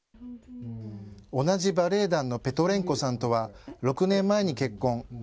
同じバレエ団のペトレンコさんとは６年前に結婚。